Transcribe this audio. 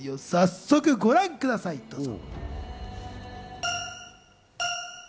早速ご覧ください、どうぞ。